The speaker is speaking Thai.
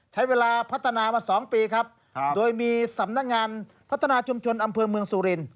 ใช้เวลาพัฒนามา๒ปีครับโดยมีสำนักงานพัฒนาชุมชนอำเภอเมืองสุริน